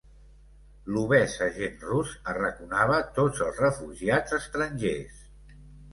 L'obès agent rus arraconava tots els refugiats estrangers